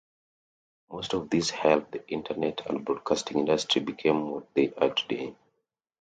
Many of these helped the Internet and broadcasting industry become what they are today.